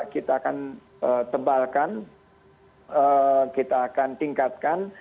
kita akan tebalkan kita akan tingkatkan